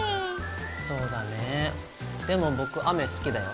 そうだねでも僕雨好きだよ。